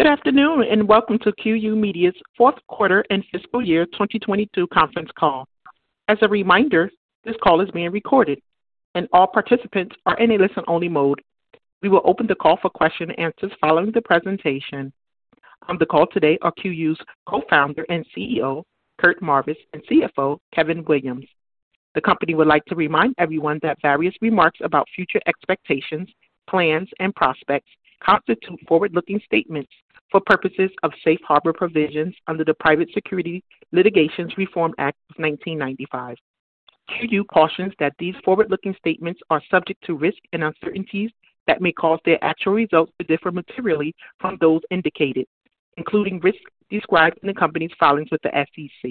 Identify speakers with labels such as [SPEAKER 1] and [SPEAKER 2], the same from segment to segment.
[SPEAKER 1] Good afternoon, welcome to QYOU Media's fourth quarter and fiscal year 2022 conference call. As a reminder, this call is being recorded, and all participants are in a listen-only mode. We will open the call for question and answers following the presentation. On the call today are QYOU's Co-Founder and CEO, Curt Marvis, and CFO, Kevin Williams. The company would like to remind everyone that various remarks about future expectations, plans, and prospects constitute forward-looking statements for purposes of safe harbor provisions under the Private Securities Litigation Reform Act of 1995. QYOU cautions that these forward-looking statements are subject to risks and uncertainties that may cause their actual results to differ materially from those indicated, including risks described in the company's filings with the SEC.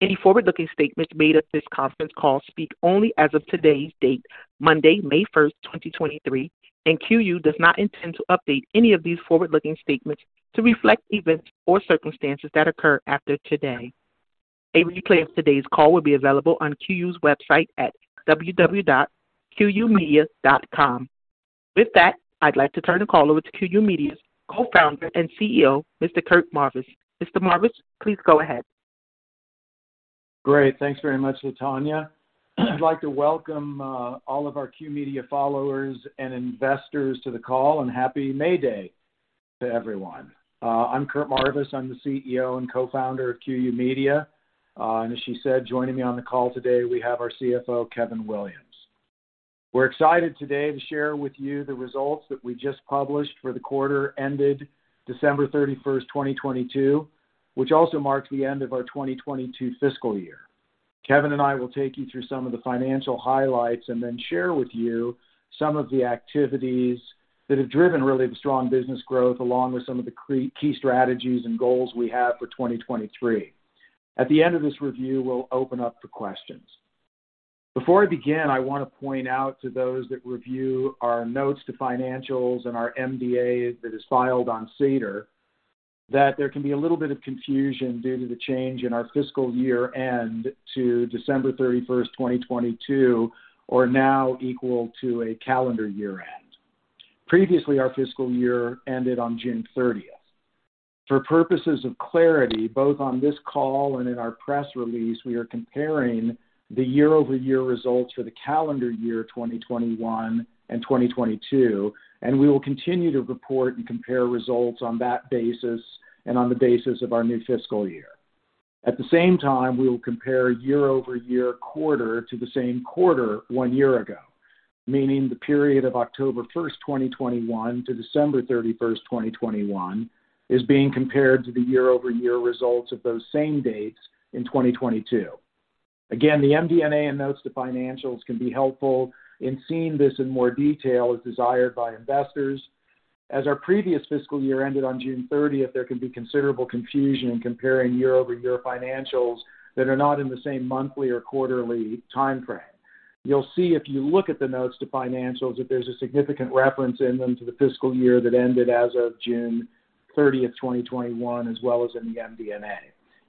[SPEAKER 1] Any forward-looking statements made at this conference call speak only as of today's date, Monday, May 1st, 2023. QYOU does not intend to update any of these forward-looking statements to reflect events or circumstances that occur after today. A replay of today's call will be available on QYOU's website at www.qyoumedia.com. With that, I'd like to turn the call over to QYOU Media's Co-Founder and CEO, Mr. Curt Marvis. Mr. Marvis, please go ahead.
[SPEAKER 2] Great. Thanks very much, Latanya. I'd like to welcome all of our QYOU Media followers and investors to the call. Happy May Day to everyone. I'm Curt Marvis. I'm the CEO and co-founder of QYOU Media. As she said, joining me on the call today, we have our CFO, Kevin Williams. We're excited today to share with you the results that we just published for the quarter ended December 31st, 2022, which also marked the end of our 2022 fiscal year. Kevin and I will take you through some of the financial highlights. Then share with you some of the activities that have driven really the strong business growth, along with some of the key strategies and goals we have for 2023. At the end of this review, we'll open up for questions. Before I begin, I want to point out to those that review our notes to financials and our MD&A that is filed on SEDAR, that there can be a little bit of confusion due to the change in our fiscal year-end to December 31st, 2022, or now equal to a calendar year-end. Previously, our fiscal year ended on June 30th. For purposes of clarity, both on this call and in our press release, we are comparing the year-over-year results for the calendar year 2021 and 2022, and we will continue to report and compare results on that basis and on the basis of our new fiscal year. At the same time, we will compare year-over-year quarter to the same quarter one year ago, meaning the period of October 1st, 2021 to December 31st, 2021 is being compared to the year-over-year results of those same dates in 2022. The MD&A and notes to financials can be helpful in seeing this in more detail as desired by investors. As our previous fiscal year ended on June 30th, there can be considerable confusion in comparing year-over-year financials that are not in the same monthly or quarterly timeframe. You'll see if you look at the notes to financials that there's a significant reference in them to the fiscal year that ended as of June 30th, 2021, as well as in the MD&A.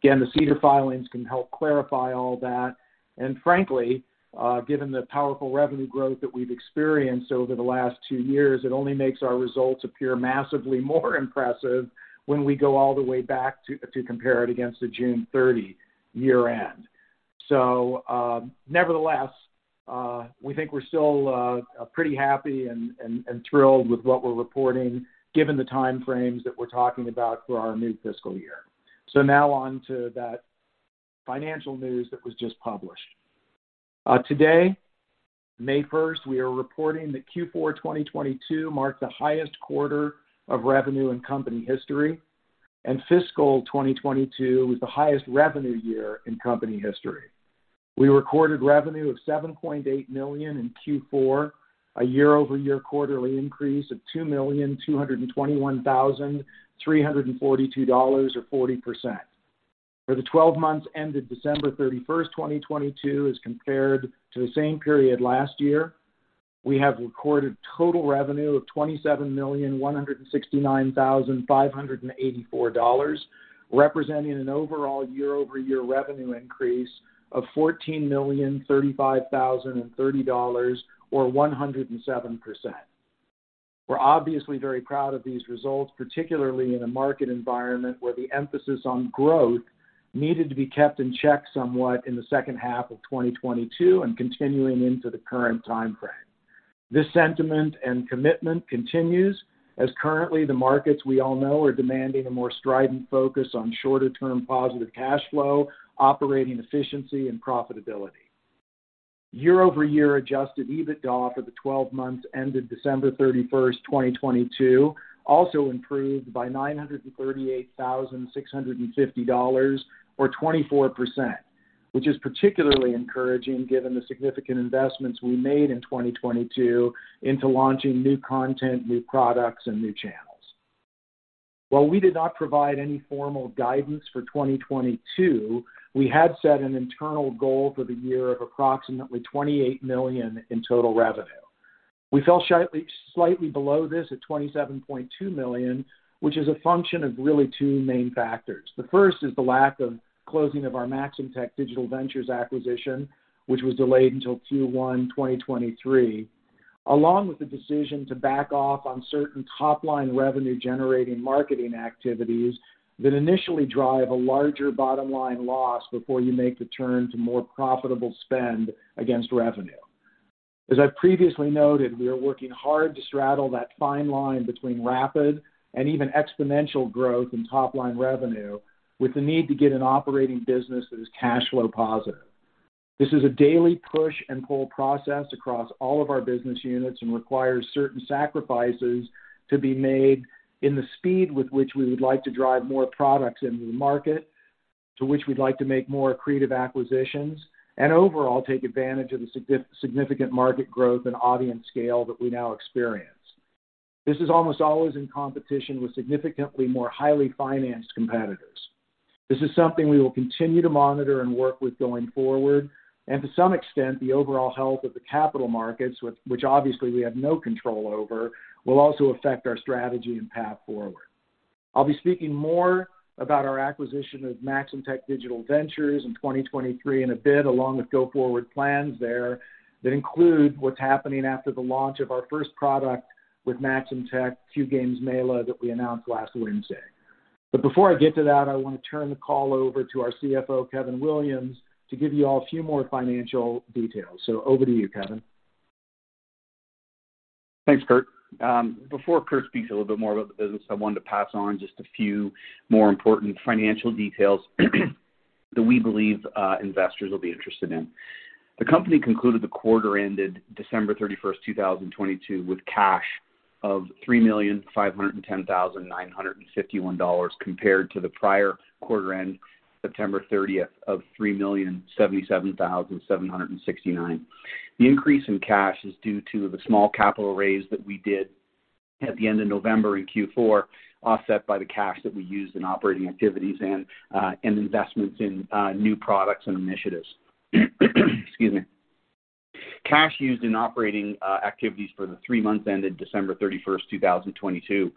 [SPEAKER 2] The SEDAR filings can help clarify all that. Frankly, given the powerful revenue growth that we've experienced over the last 2 years, it only makes our results appear massively more impressive when we go all the way back to compare it against the June 30 year-end. Nevertheless, we think we're still pretty happy and thrilled with what we're reporting given the time frames that we're talking about for our new fiscal year. Now on to that financial news that was just published. Today, May first, we are reporting that Q4 2022 marked the highest quarter of revenue in company history, and fiscal 2022 was the highest revenue year in company history. We recorded revenue of 7.8 million in Q4, a year-over-year quarterly increase of 2,221,342 dollars or 40%. For the 12 months ended December 31st, 2022, as compared to the same period last year, we have recorded total revenue of $27,169,584, representing an overall year-over-year revenue increase of $14,035,030 or 107%. We're obviously very proud of these results, particularly in a market environment where the emphasis on growth needed to be kept in check somewhat in the second half of 2022 and continuing into the current timeframe. This sentiment and commitment continues, as currently the markets we all know are demanding a more strident focus on shorter-term positive cash flow, operating efficiency, and profitability. Year-over-year adjusted EBITDA for the 12 months ended December 31st, 2022 also improved by $938,650 or 24%, which is particularly encouraging given the significant investments we made in 2022 into launching new content, new products, and new channels. While we did not provide any formal guidance for 2022, we had set an internal goal for the year of approximately $28 million in total revenue. We fell slightly below this at $27.2 million, which is a function of really two main factors. The first is the lack of closing of our Maxamtech Digital Ventures acquisition, which was delayed until Q1 2023. Along with the decision to back off on certain top-line revenue-generating marketing activities that initially drive a larger bottom-line loss before you make the turn to more profitable spend against revenue. As I previously noted, we are working hard to straddle that fine line between rapid and even exponential growth in top-line revenue with the need to get an operating business that is cash flow positive. This is a daily push and pull process across all of our business units and requires certain sacrifices to be made in the speed with which we would like to drive more products into the market, to which we'd like to make more accretive acquisitions, and overall take advantage of the significant market growth and audience scale that we now experience. This is almost always in competition with significantly more highly financed competitors. This is something we will continue to monitor and work with going forward. To some extent, the overall health of the capital markets, which obviously we have no control over, will also affect our strategy and path forward. I'll be speaking more about our acquisition of Maxamtech Digital Ventures in 2023 in a bit, along with go-forward plans there that include what's happening after the launch of our first product with Maxamtech, QGamesMela, that we announced last Wednesday. Before I get to that, I want to turn the call over to our CFO, Kevin Williams, to give you all a few more financial details. Over to you, Kevin.
[SPEAKER 3] Thanks, Curt. Before Curt speaks a little bit more about the business, I wanted to pass on just a few more important financial details that we believe investors will be interested in. The company concluded the quarter ended December 31, 2022, with cash of $3,510,951, compared to the prior quarter end, September 30, of $3,077,769. The increase in cash is due to the small capital raise that we did at the end of November in Q4, offset by the cash that we used in operating activities and investments in new products and initiatives. Excuse me. Cash used in operating activities for the three months ended December 31st, 2022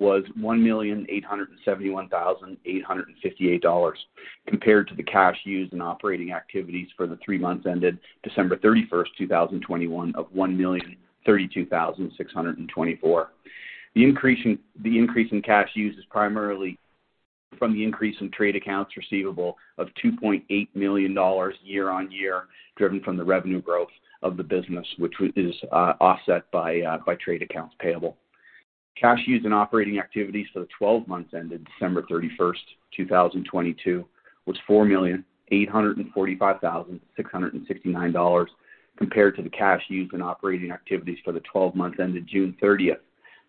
[SPEAKER 3] was $1,871,858, compared to the cash used in operating activities for the three months ended December 31st, 2021 of $1,032,624. The increase in cash used is primarily from the increase in trade accounts receivable of $2.8 million year-on-year, driven from the revenue growth of the business, which is offset by trade accounts payable. Cash used in operating activities for the 12 months ended December 31st, 2022, was 4,845,669 dollars, compared to the cash used in operating activities for the 12 months ended June 30,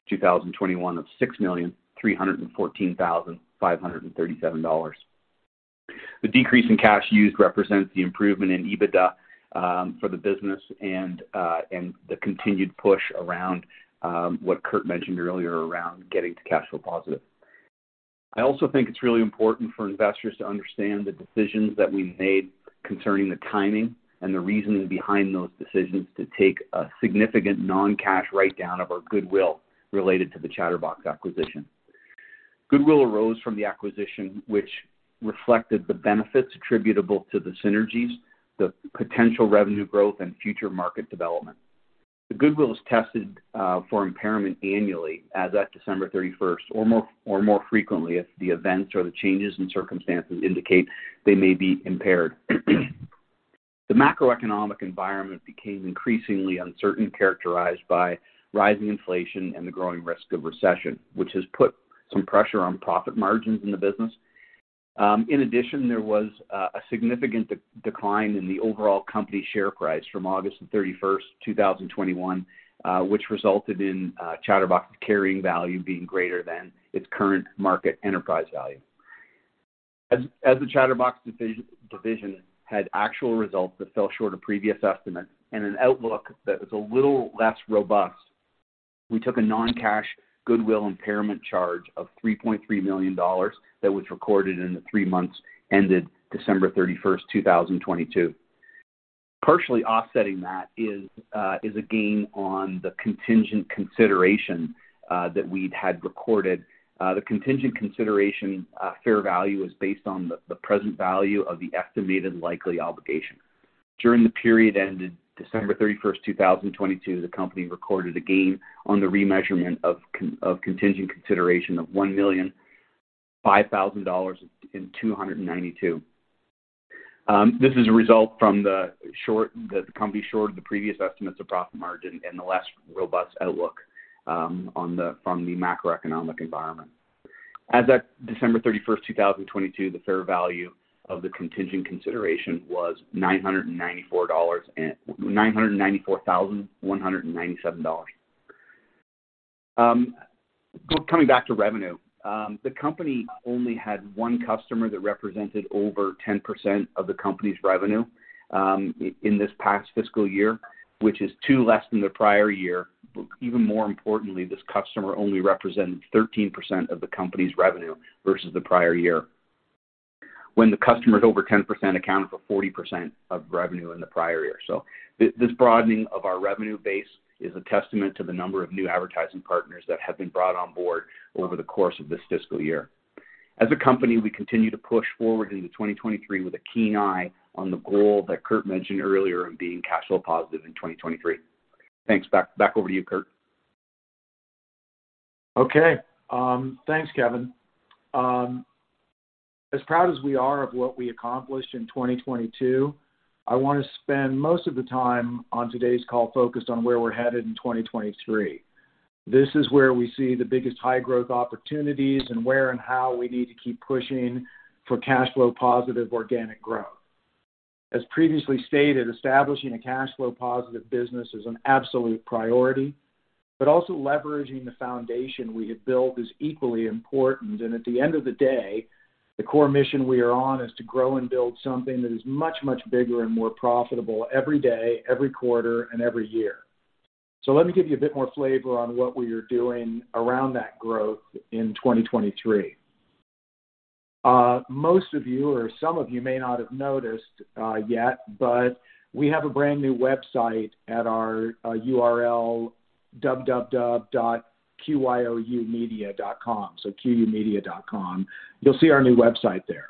[SPEAKER 3] 2021, of 6,314,537 dollars. The decrease in cash used represents the improvement in EBITDA for the business and the continued push around what Curt mentioned earlier around getting to cash flow positive. I also think it's really important for investors to understand the decisions that we made concerning the timing and the reasoning behind those decisions to take a significant non-cash write-down of our goodwill related to the Chatterbox acquisition. Goodwill arose from the acquisition which reflected the benefits attributable to the synergies, the potential revenue growth and future market development. The goodwill is tested for impairment annually as at December 31st or more, or more frequently if the events or the changes in circumstances indicate they may be impaired. The macroeconomic environment became increasingly uncertain, characterized by rising inflation and the growing risk of recession, which has put some pressure on profit margins in the business. In addition, there was a significant decline in the overall company share price from August 31st, 2021, which resulted in Chatterbox's carrying value being greater than its current market enterprise value. As the Chatterbox division had actual results that fell short of previous estimates and an outlook that was a little less robust, we took a non-cash goodwill impairment charge of 3.3 million dollars that was recorded in the three months ended December 31st, 2022. Partially offsetting that is a gain on the contingent consideration that we'd had recorded. The contingent consideration fair value was based on the present value of the estimated likely obligation. During the period ended December 31st, 2022, the company recorded a gain on the remeasurement of contingent consideration of 1,005,292 dollars. This is a result from the company short of the previous estimates of profit margin and the less robust outlook from the macroeconomic environment. As at December 31st, 2022, the fair value of the contingent consideration was 994,197 dollars. Coming back to revenue. The company only had one customer that represented over 10% of the company's revenue in this past fiscal year, which is two less than the prior year. Even more importantly, this customer only represented 13% of the company's revenue versus the prior year. When the customers over 10% accounted for 40% of revenue in the prior year. This broadening of our revenue base is a testament to the number of new advertising partners that have been brought on board over the course of this fiscal year. As a company, we continue to push forward into 2023 with a keen eye on the goal that Curt mentioned earlier of being cash flow positive in 2023. Thanks. Back over to you, Curt.
[SPEAKER 2] Okay. Thanks, Kevin. As proud as we are of what we accomplished in 2022, I wanna spend most of the time on today's call focused on where we're headed in 2023. This is where we see the biggest high-growth opportunities and where and how we need to keep pushing for cash flow positive organic growth. As previously stated, establishing a cash flow positive business is an absolute priority, but also leveraging the foundation we have built is equally important. At the end of the day, the core mission we are on is to grow and build something that is much, much bigger and more profitable every day, every quarter, and every year. Let me give you a bit more flavor on what we are doing around that growth in 2023. Most of you or some of you may not have noticed yet, we have a brand-new website at our URL, www.qyoumedia.com. qyoumedia.com. You'll see our new website there.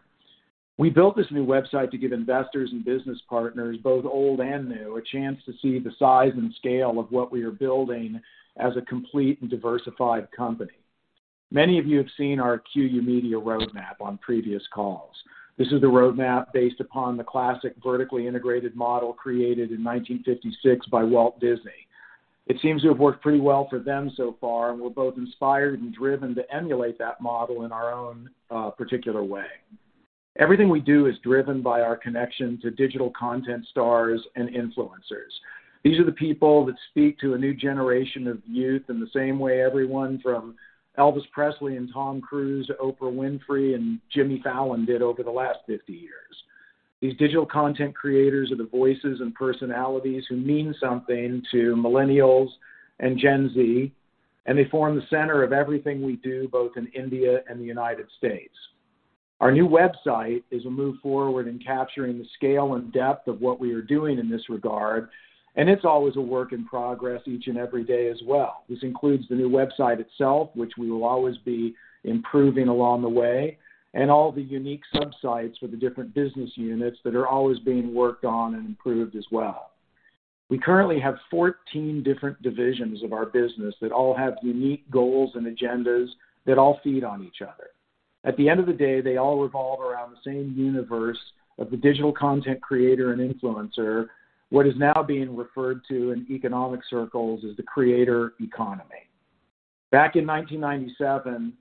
[SPEAKER 2] We built this new website to give investors and business partners, both old and new, a chance to see the size and scale of what we are building as a complete and diversified company. Many of you have seen our QYOU Media roadmap on previous calls. This is the roadmap based upon the classic vertically integrated model created in 1956 by Walt Disney. It seems to have worked pretty well for them so far, we're both inspired and driven to emulate that model in our own particular way. Everything we do is driven by our connection to digital content stars and influencers. These are the people that speak to a new generation of youth in the same way everyone from Elvis Presley and Tom Cruise, Oprah Winfrey, and Jimmy Fallon did over the last 50 years. These digital content creators are the voices and personalities who mean something to Millennials and Gen Z, and they form the center of everything we do both in India and the United States. Our new website is a move forward in capturing the scale and depth of what we are doing in this regard, and it's always a work in progress each and every day as well. This includes the new website itself, which we will always be improving along the way, and all the unique subsites for the different business units that are always being worked on and improved as well. We currently have 14 different divisions of our business that all have unique goals and agendas that all feed on each other. At the end of the day, they all revolve around the same universe of the digital content creator and influencer, what is now being referred to in economic circles as the creator economy. Back in 1997,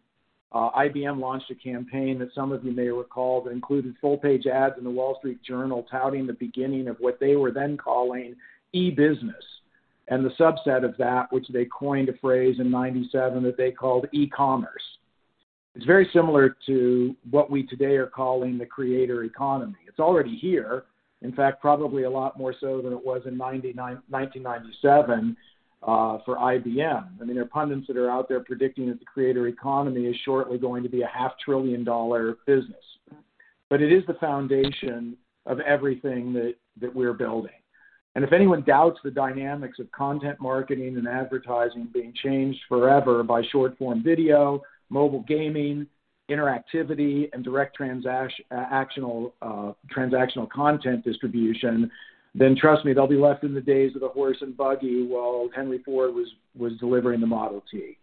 [SPEAKER 2] IBM launched a campaign that some of you may recall that included full-page ads in The Wall Street Journal touting the beginning of what they were then calling e-business, and the subset of that, which they coined a phrase in 97 that they called e-commerce. It's very similar to what we today are calling the creator economy. It's already here, in fact, probably a lot more so than it was in 1997 for IBM. I mean, there are pundits that are out there predicting that the creator economy is shortly going to be a half trillion-dollar business. It is the foundation of everything that we're building. If anyone doubts the dynamics of content marketing and advertising being changed forever by short-form video, mobile gaming, interactivity, and direct transactional content distribution, then trust me, they'll be left in the days of the horse and buggy while Henry Ford was delivering the Model T.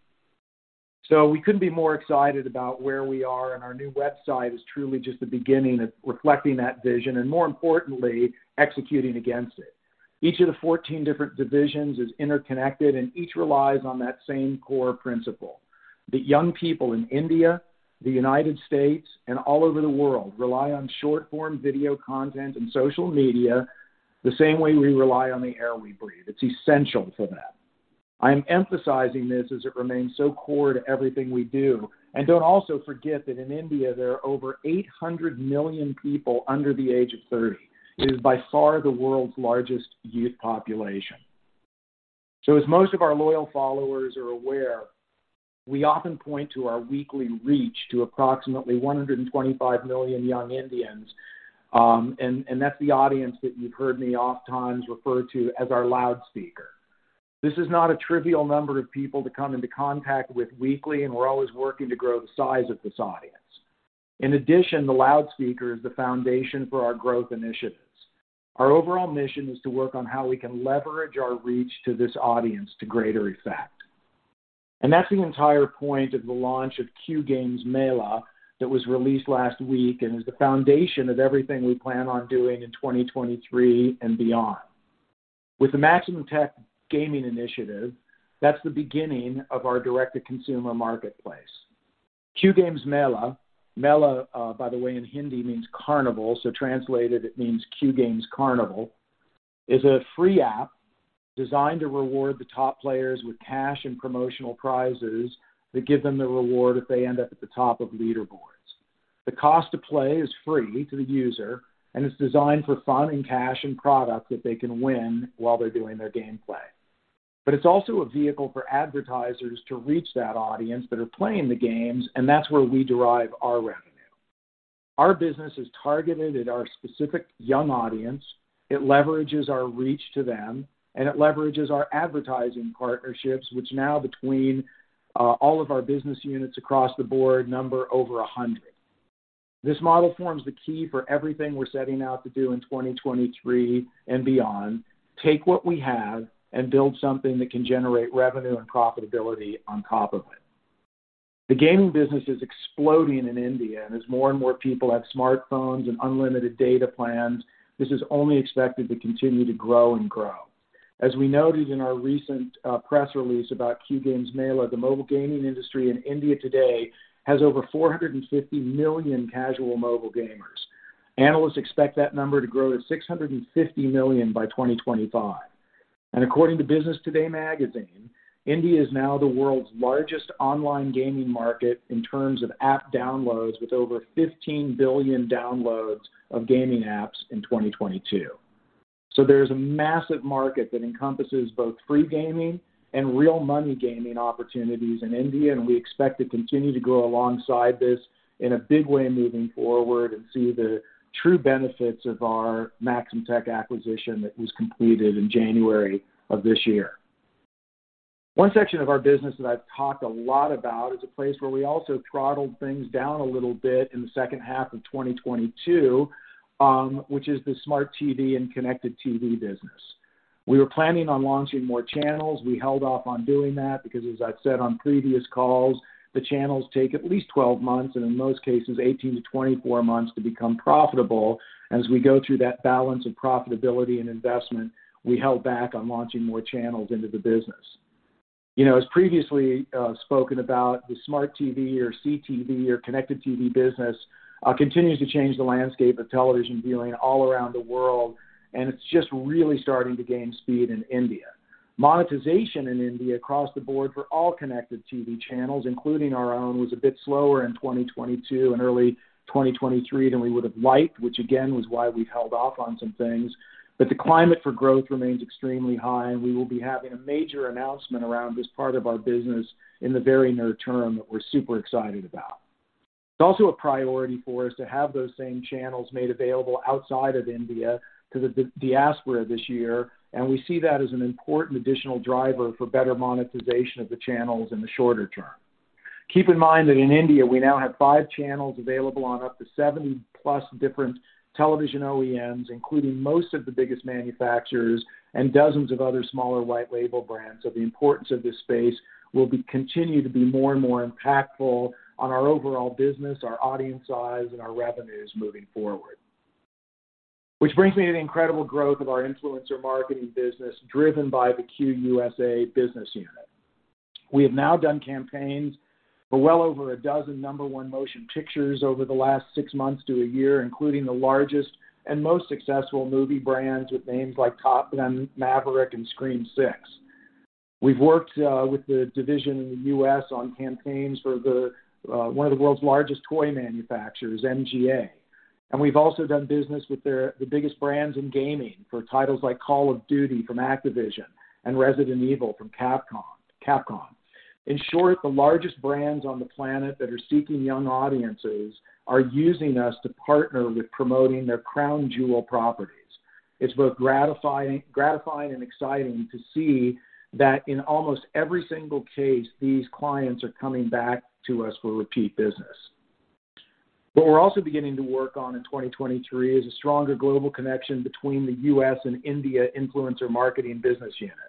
[SPEAKER 2] We couldn't be more excited about where we are, and our new website is truly just the beginning of reflecting that vision, and more importantly, executing against it. Each of the 14 different divisions is interconnected, and each relies on that same core principle, that young people in India, the United States, and all over the world rely on short-form video content and social media the same way we rely on the air we breathe. It's essential for that. I'm emphasizing this as it remains so core to everything we do. Don't also forget that in India, there are over 800 million people under the age of 30. It is by far the world's largest youth population. As most of our loyal followers are aware, we often point to our weekly reach to approximately 125 million young Indians, and that's the audience that you've heard me oftentimes refer to as our loudspeaker. This is not a trivial number of people to come into contact with weekly, and we're always working to grow the size of this audience. In addition, the loudspeaker is the foundation for our growth initiatives. Our overall mission is to work on how we can leverage our reach to this audience to greater effect. That's the entire point of the launch of Q Games Mela that was released last week and is the foundation of everything we plan on doing in 2023 and beyond. With the Maxamtech gaming initiative, that's the beginning of our direct-to-consumer marketplace. Q Games Mela, by the way, in Hindi means carnival, so translated it means Q Games Carnival, is a free app designed to reward the top players with cash and promotional prizes that give them the reward if they end up at the top of leaderboards. The cost to play is free to the user, and it's designed for fun and cash and product that they can win while they're doing their gameplay. It's also a vehicle for advertisers to reach that audience that are playing the games, and that's where we derive our revenue. Our business is targeted at our specific young audience. It leverages our reach to them, and it leverages our advertising partnerships, which now between all of our business units across the board number over 100. This model forms the key for everything we're setting out to do in 2023 and beyond. Take what we have and build something that can generate revenue and profitability on top of it. The gaming business is exploding in India, and as more and more people have smartphones and unlimited data plans, this is only expected to continue to grow and grow. As we noted in our recent press release about Q Games Mela, the mobile gaming industry in India today has over 450 million casual mobile gamers. Analysts expect that number to grow to 650 million by 2025. According to Business Today magazine, India is now the world's largest online gaming market in terms of app downloads with over 15 billion downloads of gaming apps in 2022. There's a massive market that encompasses both free gaming and real money gaming opportunities in India, and we expect to continue to grow alongside this in a big way moving forward and see the true benefits of our Maxamtech acquisition that was completed in January of this year. One section of our business that I've talked a lot about is a place where we also throttled things down a little bit in the second half of 2022, which is the smart TV and connected TV business. We were planning on launching more channels. We held off on doing that because, as I've said on previous calls, the channels take at least 12 months, and in most cases 18-24 months to become profitable. We go through that balance of profitability and investment, we held back on launching more channels into the business. You know, as previously spoken about, the smart TV or CTV or connected TV business continues to change the landscape of television viewing all around the world, and it's just really starting to gain speed in India. Monetization in India across the board for all connected TV channels, including our own, was a bit slower in 2022 and early 2023 than we would have liked, which again, was why we held off on some things. The climate for growth remains extremely high, and you will be having a major announcement around this part of our business in the very near term that we're super excited about. It's also a priority for us to have those same channels made available outside of India to the diaspora this year, and we see that as an important additional driver for better monetization of the channels in the shorter term. Keep in mind that in India, we now have five channels available on up to 70-plus different television OEMs, including most of the biggest manufacturers and dozens of other smaller white label brands. The importance of this space continue to be more and more impactful on our overall business, our audience size, and our revenues moving forward. Which brings me to the incredible growth of our influencer marketing business driven by the QYOU USA business unit. We have now done campaigns for well over 12 number 1 motion pictures over the last six months to a year, including the largest and most successful movie brands with names like Top Gun: Maverick and Scream VI. We've worked with the division in the U.S. on campaigns for the one of the world's largest toy manufacturers, MGA. We've also done business with the biggest brands in gaming for titles like Call of Duty from Activision and Resident Evil from Capcom. In short, the largest brands on the planet that are seeking young audiences are using us to partner with promoting their crown jewel properties. It's both gratifying and exciting to see that in almost every single case, these clients are coming back to us for repeat business. What we're also beginning to work on in 2023 is a stronger global connection between the US and India influencer marketing business units.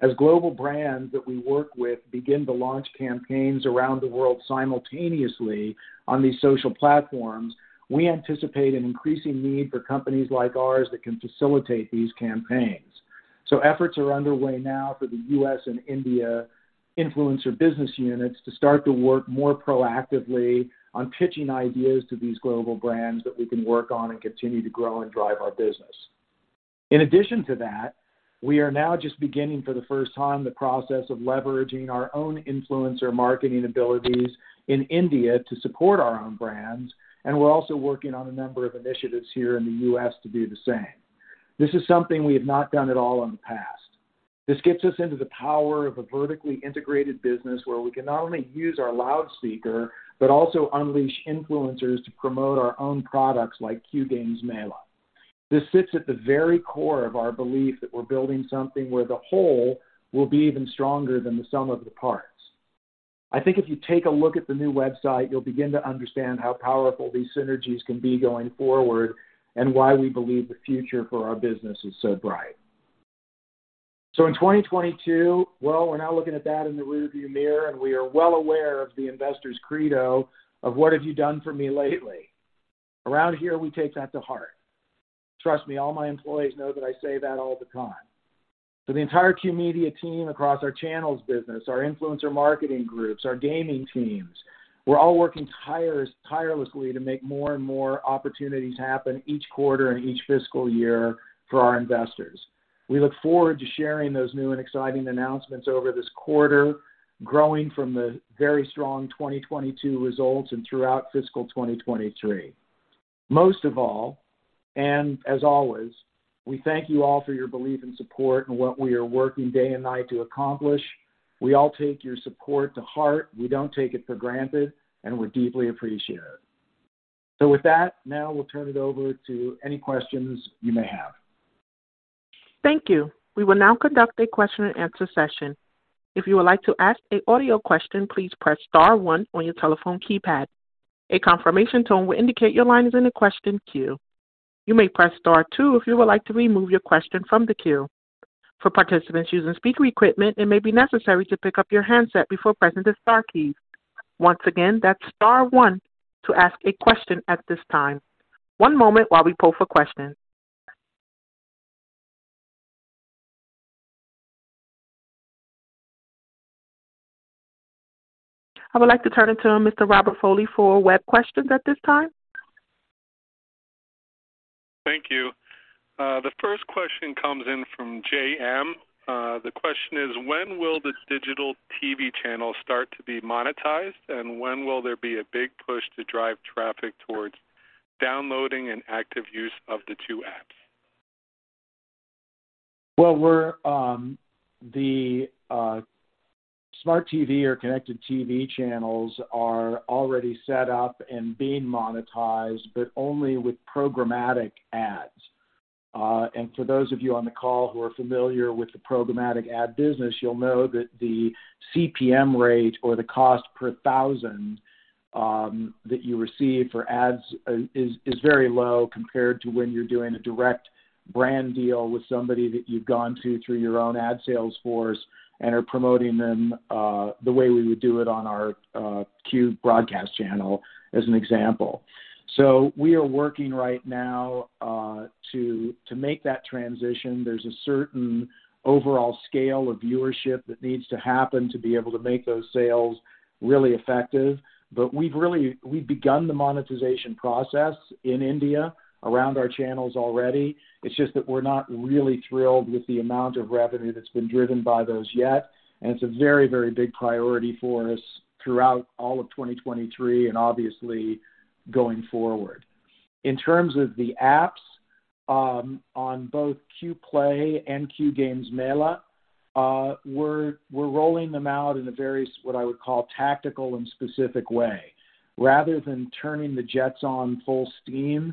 [SPEAKER 2] As global brands that we work with begin to launch campaigns around the world simultaneously on these social platforms, we anticipate an increasing need for companies like ours that can facilitate these campaigns. Efforts are underway now for the U.S. and India influencer business units to start to work more proactively on pitching ideas to these global brands that we can work on and continue to grow and drive our business. In addition to that, we are now just beginning for the first time the process of leveraging our own influencer marketing abilities in India to support our own brands, and we're also working on a number of initiatives here in the U.S. to do the same. This is something we have not done at all in the past. This gets us into the power of a vertically integrated business where we can not only use our loudspeaker, but also unleash influencers to promote our own products like Q Games Mela. This sits at the very core of our belief that we're building something where the whole will be even stronger than the sum of the parts. I think if you take a look at the new website, you'll begin to understand how powerful these synergies can be going forward and why we believe the future for our business is so bright. In 2022, well, we're now looking at that in the rearview mirror, and we are well aware of the investor's credo of what have you done for me lately. Around here, we take that to heart. Trust me, all my employees know that I say that all the time. For the entire Q Media team across our channels business, our influencer marketing groups, our gaming teams, we're all working tirelessly to make more and more opportunities happen each quarter and each fiscal year for our investors. We look forward to sharing those new and exciting announcements over this quarter, growing from the very strong 2022 results and throughout fiscal 2023. Most of all, as always, we thank you all for your belief and support in what we are working day and night to accomplish. We all take your support to heart. We don't take it for granted, and we deeply appreciate it. With that, now we'll turn it over to any questions you may have.
[SPEAKER 1] Thank you. We will now conduct a question and answer session. If you would like to ask an audio question, please press star one on your telephone keypad. A confirmation tone will indicate your line is in the question queue. You may press star two if you would like to remove your question from the queue. For participants using speaker equipment, it may be necessary to pick up your handset before pressing the star key. Once again, that's star one to ask a question at this time. One moment while we pull for questions. I would like to turn it to Mr. Robert Foley for web questions at this time.
[SPEAKER 4] Thank you. The first question comes in from JM. The question is, when will the digital TV channel start to be monetized, and when will there be a big push to drive traffic towards downloading and active use of the two apps?
[SPEAKER 2] We're the smart TV or connected TV channels are already set up and being monetized but only with programmatic ads. For those of you on the call who are familiar with the programmatic ad business, you'll know that the CPM rate or the cost per thousand that you receive for ads is very low compared to when you're doing a direct brand deal with somebody that you've gone to through your own ad sales force and are promoting them the way we would do it on our Q broadcast channel, as an example. We are working right now to make that transition. There's a certain overall scale of viewership that needs to happen to be able to make those sales really effective. We've begun the monetization process in India around our channels already. It's just that we're not really thrilled with the amount of revenue that's been driven by those yet. It's a very, very big priority for us throughout all of 2023 and obviously going forward. In terms of the apps, on both Q PLAY and Q Games Mela, we're rolling them out in a very, what I would call, tactical and specific way. Rather than turning the jets on full steam,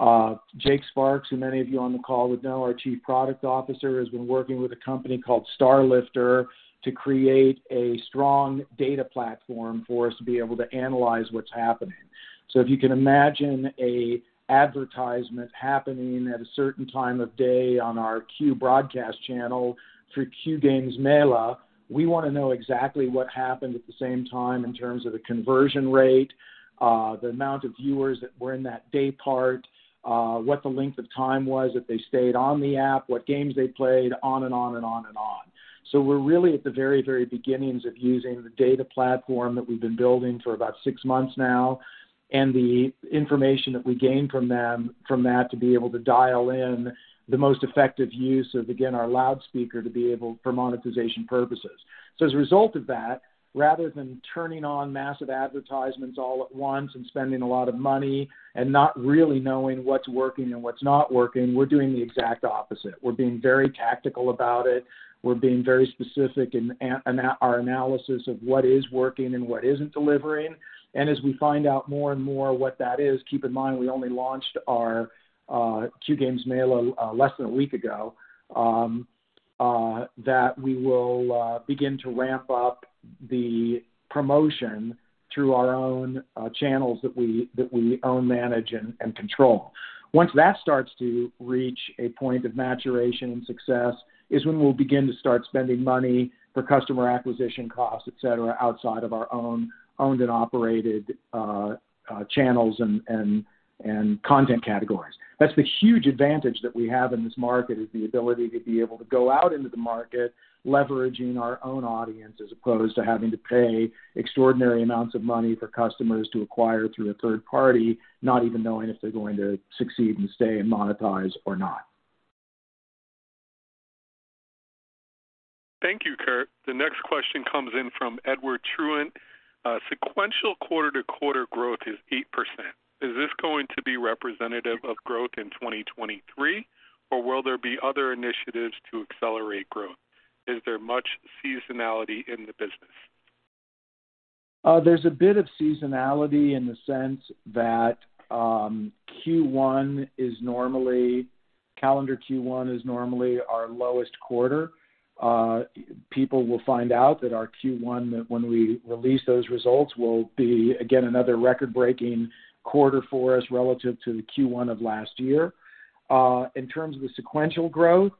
[SPEAKER 2] Jace Sparks, who many of you on the call would know our Chief Product Officer, has been working with a company called StarLifter to create a strong data platform for us to be able to analyze what's happening. If you can imagine a advertisement happening at a certain time of day on our Q broadcast channel through Q GamesMela, we wanna know exactly what happened at the same time in terms of the conversion rate, the amount of viewers that were in that day part, what the length of time was, if they stayed on the app, what games they played, on and on and on and on. We're really at the very, very beginnings of using the data platform that we've been building for about six months now, and the information that we gain from that to be able to dial in the most effective use of, again, our loudspeaker to be able for monetization purposes. As a result of that, rather than turning on massive advertisements all at once and spending a lot of money and not really knowing what's working and what's not working, we're doing the exact opposite. We're being very tactical about it. We're being very specific in our analysis of what is working, and what isn't delivering. As we find out more and more what that is, keep in mind, we only launched our Q Games Mela less than a week ago that we will begin to ramp up the promotion through our own channels that we own, manage, and control. Once that starts to reach a point of maturation and success is when we'll begin to start spending money for customer acquisition costs, et cetera, outside of our own owned and operated channels and content categories. That's the huge advantage that we have in this market, is the ability to be able to go out into the market, leveraging our own audience, as opposed to having to pay extraordinary amounts of money for customers to acquire through a third party, not even knowing if they're going to succeed and stay and monetize or not.
[SPEAKER 4] Thank you, Curt. The next question comes in from Edward Truant. Sequential quarter-over-quarter growth is 8%. Is this going to be representative of growth in 2023, or will there be other initiatives to accelerate growth? Is there much seasonality in the business?
[SPEAKER 2] There's a bit of seasonality in the sense that, calendar Q one is normally our lowest quarter. People will find out that our Q one, that when we release those results, will be again another record-breaking quarter for us relative to the Q1 of last year. In terms of the sequential growth,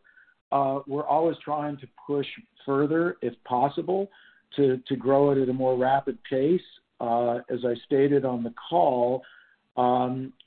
[SPEAKER 2] we're always trying to push further if possible to grow it at a more rapid pace. As I stated on the call,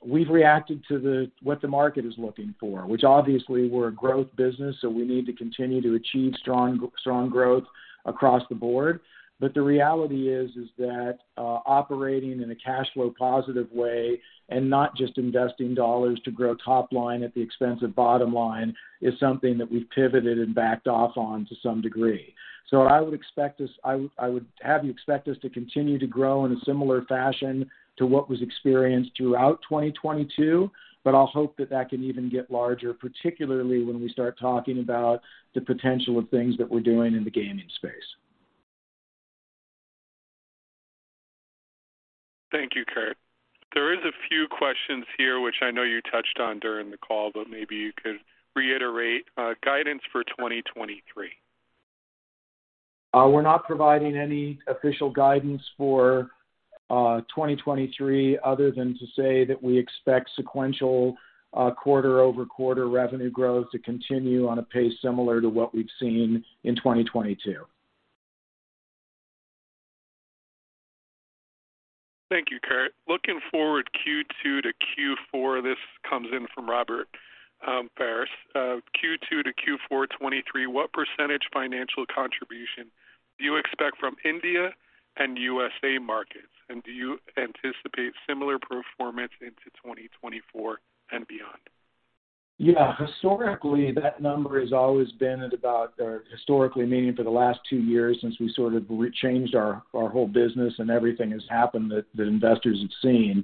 [SPEAKER 2] we've reacted to what the market is looking for. Obviously we're a growth business, so we need to continue to achieve strong growth across the board. The reality is that, operating in a cash flow positive way and not just investing dollars to grow top line at the expense of bottom line is something that we've pivoted and backed off on to some degree. I would expect us. I would have you expect us to continue to grow in a similar fashion to what was experienced throughout 2022, but I'll hope that that can even get larger, particularly when we start talking about the potential of things that we're doing in the gaming space.
[SPEAKER 4] Few questions here which I know you touched on during the call, but maybe you could reiterate, guidance for 2023?
[SPEAKER 2] We're not providing any official guidance for 2023 other than to say that we expect sequential, quarter-over-quarter revenue growth to continue on a pace similar to what we've seen in 2022.
[SPEAKER 4] Thank you, Curt. Looking forward Q2 to Q4, this comes in from Robert Faris. Q2 to Q4 2023, what % financial contribution do you expect from India and USA markets? Do you anticipate similar performance into 2024 and beyond?
[SPEAKER 2] Historically, that number has always been historically meaning for the last two years since we sort of changed our whole business and everything has happened that investors have seen.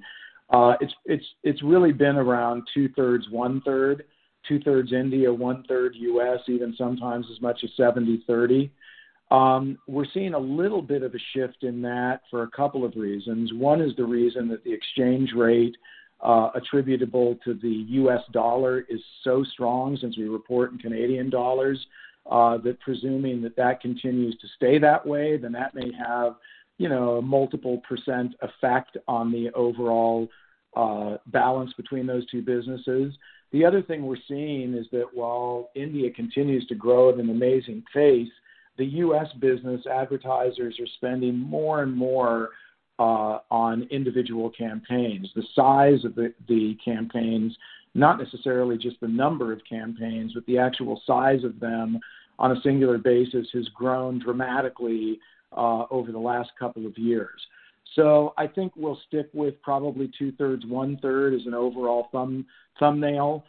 [SPEAKER 2] It's really been around 2/3, 1/3. Two-thirds India, one-third U.S., even sometimes as much as 70/30. We're seeing a little bit of a shift in that for a couple of reasons. One is the reason that the exchange rate attributable to the U.S. dollar is so strong since we report in Canadian dollars, that presuming that continues to stay that way, then that may have, you know, a multiple % effect on the overall balance between those two businesses. The other thing we're seeing is that while India continues to grow at an amazing pace, the U.S. business advertisers are spending more and more on individual campaigns. The size of the campaigns, not necessarily just the number of campaigns, but the actual size of them on a singular basis has grown dramatically over the last couple of years. I think we'll stick with probably 2/3, 1/3 as an overall thumbnail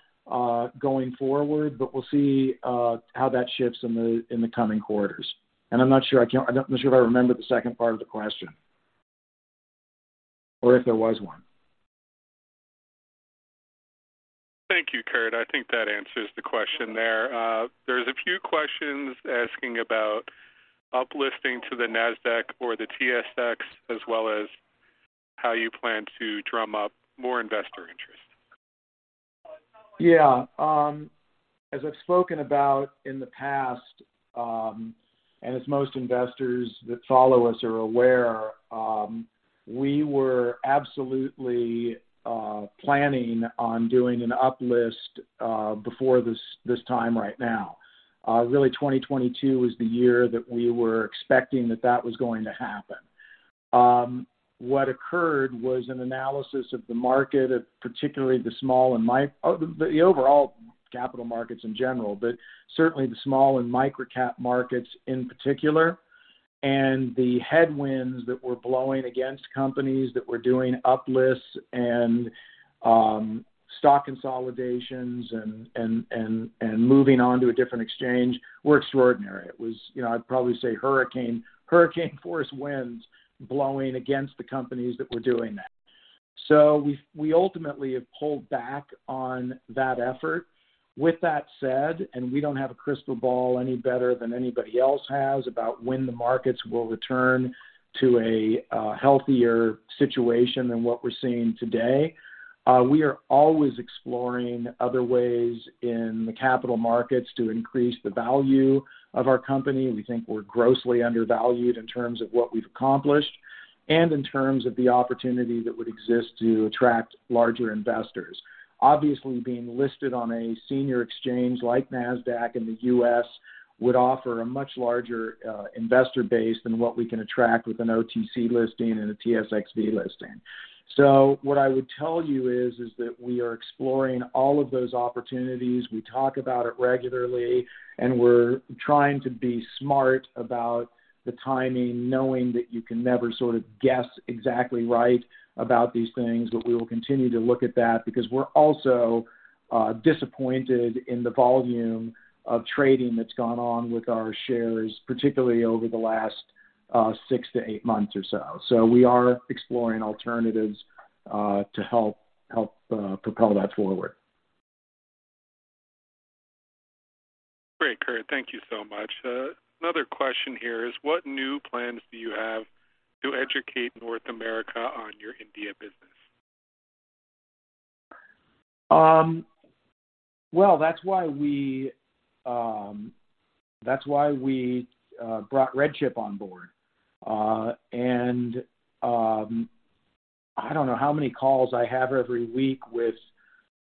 [SPEAKER 2] going forward, but we'll see how that shifts in the coming quarters. I'm not sure I'm not sure if I remember the second part of the question. If there was one.
[SPEAKER 4] Thank you, Curt. I think that answers the question there. There's a few questions asking about uplisting to the NASDAQ or the TSX, as well as how you plan to drum up more investor interest.
[SPEAKER 2] Yeah. As I've spoken about in the past, as most investors that follow us are aware, we were absolutely planning on doing an uplist before this time right now. Really 2022 is the year that we were expecting that that was going to happen. What occurred was an analysis of the market, particularly the small and the overall capital markets in general, but certainly the small and microcap markets in particular. The headwinds that were blowing against companies that were doing uplifts and stock consolidations and moving on to a different exchange were extraordinary. It was, you know, I'd probably say hurricane force winds blowing against the companies that were doing that. We ultimately have pulled back on that effort. With that said, we don't have a crystal ball any better than anybody else has about when the markets will return to a healthier situation than what we're seeing today, we are always exploring other ways in the capital markets to increase the value of our company. We think we're grossly undervalued in terms of what we've accomplished and in terms of the opportunity that would exist to attract larger investors. Obviously, being listed on a senior exchange like NASDAQ in the US would offer a much larger investor base than what we can attract with an OTC listing and a TSXV listing. What I would tell you is that we are exploring all of those opportunities. We talk about it regularly, and we're trying to be smart about the timing, knowing that you can never sort of guess exactly right about these things. We will continue to look at that because we're also disappointed in the volume of trading that's gone on with our shares, particularly over the last six -eight months or so. We are exploring alternatives to help propel that forward.
[SPEAKER 4] Great, Curt. Thank you so much. Another question here is what new plans do you have to educate North America on your India business?
[SPEAKER 2] Well, that's why we brought RedChip Companies on board. I don't know how many calls I have every week with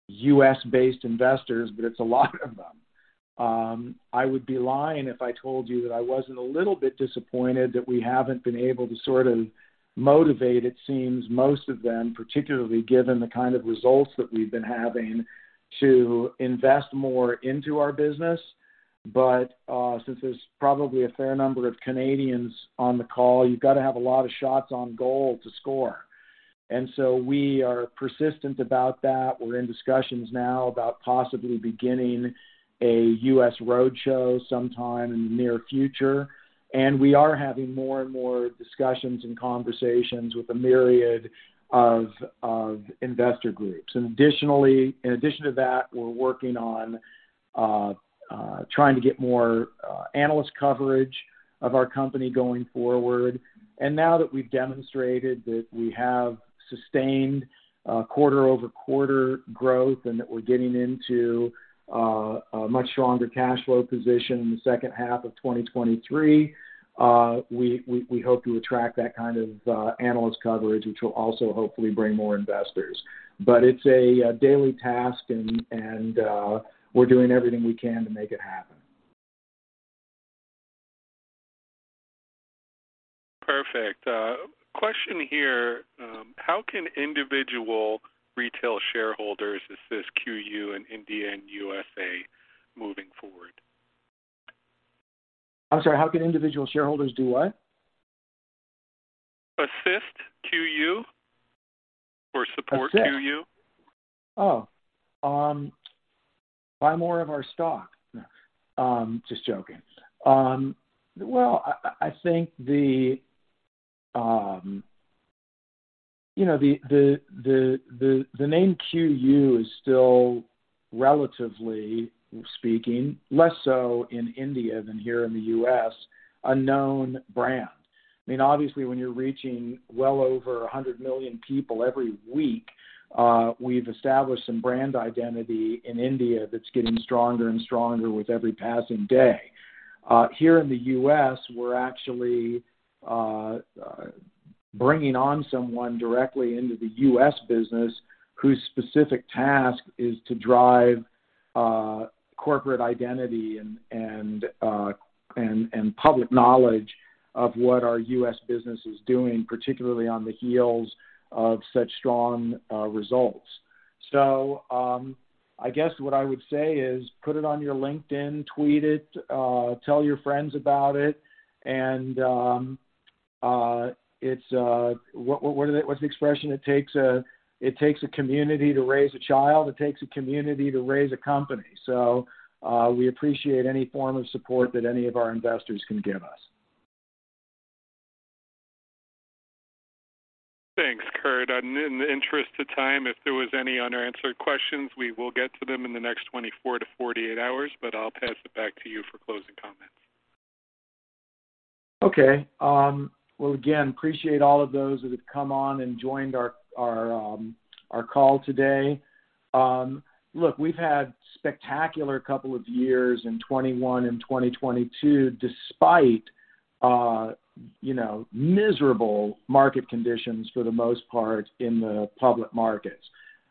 [SPEAKER 2] U.S.-based investors, but it's a lot of them. I would be lying if I told you that I wasn't a little bit disappointed that we haven't been able to sort of motivate, it seems, most of them, particularly given the kind of results that we've been having, to invest more into our business. Since there's probably a fair number of Canadians on the call, you've got to have a lot of shots on goal to score. We are persistent about that. We're in discussions now about possibly beginning a U.S. roadshow sometime in the near future. We are having more and more discussions and conversations with a myriad of investor groups. In addition to that, we're working on trying to get more analyst coverage of our company going forward. Now that we've demonstrated that we have sustained quarter-over-quarter growth and that we're getting into a much stronger cash flow position in the second half of 2023, we hope to attract that kind of analyst coverage, which will also hopefully bring more investors. It's a daily task and we're doing everything we can to make it happen.
[SPEAKER 4] Perfect. Question here, how can individual retail shareholders assist QU in India and USA moving forward?
[SPEAKER 2] I'm sorry, how can individual shareholders do what?
[SPEAKER 4] Assist QU or support QU.
[SPEAKER 2] Assist. Oh. Buy more of our stock. No, I'm just joking. Well, I think the, you know, the name QU is still, relatively speaking, less so in India than here in the U.S., a known brand. I mean, obviously, when you're reaching well over 100 million people every week, we've established some brand identity in India that's getting stronger and stronger with every passing day. Here in the U.S., we're actually bringing on someone directly into the U.S. business whose specific task is to drive corporate identity and public knowledge of what our U.S. business is doing, particularly on the heels of such strong results. I guess what I would say is put it on your LinkedIn, tweet it, tell your friends about it, and, it's, what's the expression? It takes a community to raise a child. It takes a community to raise a company. We appreciate any form of support that any of our investors can give us.
[SPEAKER 4] Thanks, Curt. In the interest of time, if there was any unanswered questions, we will get to them in the next 24 to 48 hours, but I'll pass it back to you for closing comments.
[SPEAKER 2] Okay. Well, again, appreciate all of those that have come on and joined our call today. Look, we've had spectacular couple of years in 21 and 2022, despite, you know, miserable market conditions for the most part in the public markets.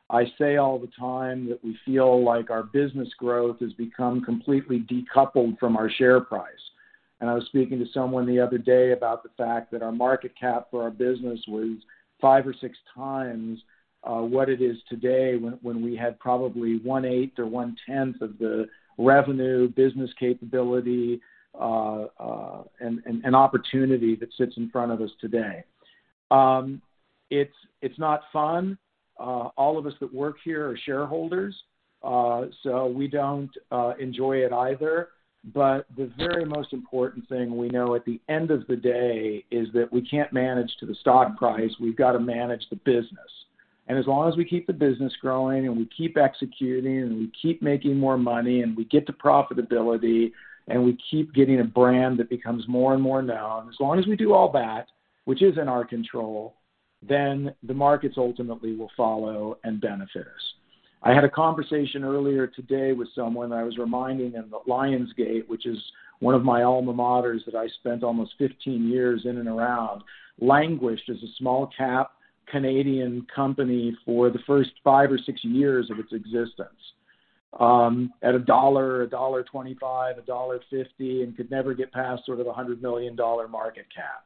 [SPEAKER 2] I say all the time that we feel like our business growth has become completely decoupled from our share price. I was speaking to someone the other day about the fact that our market cap for our business was five or six times what it is today when we had probably one-eighth or one-tenth of the revenue, business capability, and opportunity that sits in front of us today. It's not fun. All of us that work here are shareholders, we don't enjoy it either. The very most important thing we know at the end of the day is that we can't manage to the stock price. We've got to manage the business. As long as we keep the business growing and we keep executing and we keep making more money and we get to profitability and we keep getting a brand that becomes more and more known, as long as we do all that, which is in our control, then the markets ultimately will follow and benefit us. I had a conversation earlier today with someone. I was reminding him that Lionsgate, which is one of my alma maters that I spent almost 15 years in and around, languished as a small cap Canadian company for the first five or six years of its existence. At CAD 1, dollar 1.25, dollar 1.50, could never get past sort of the 100 million dollar market cap.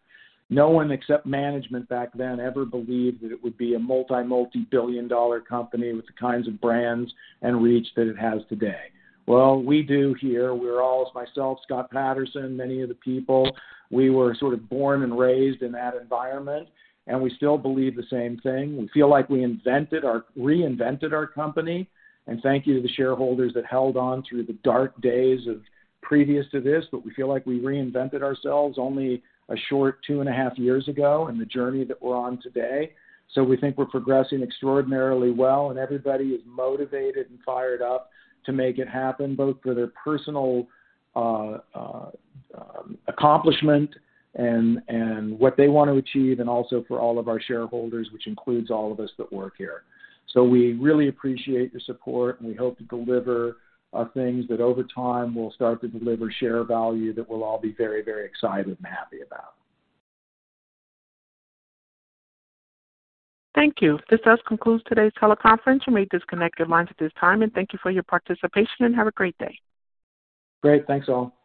[SPEAKER 2] No one except management back then ever believed that it would be a multi-multi-billion dollar company with the kinds of brands and reach that it has today. We do here. We're all, as myself, Scott Paterson, many of the people, we were sort of born and raised in that environment, we still believe the same thing. We feel like we reinvented our company, thank you to the shareholders that held on through the dark days of previous to this. We feel like we reinvented ourselves only a short 2.5 years ago in the journey that we're on today. We think we're progressing extraordinarily well and everybody is motivated and fired up to make it happen, both for their personal accomplishment and what they want to achieve and also for all of our shareholders, which includes all of us that work here. We really appreciate your support, and we hope to deliver things that over time will start to deliver share value that we'll all be very, very excited and happy about.
[SPEAKER 1] Thank you. This does conclude today's teleconference. You may disconnect your lines at this time, and thank you for your participation, and have a great day.
[SPEAKER 2] Great. Thanks, all.